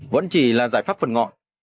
vẫn chỉ là giải pháp phần ngọn